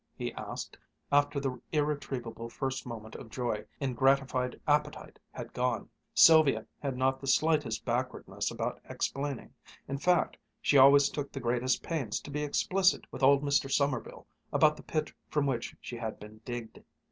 he asked, after the irretrievable first moment of joy in gratified appetite had gone. Sylvia had not the slightest backwardness about explaining. In fact she always took the greatest pains to be explicit with old Mr. Sommerville about the pit from which she had been digged.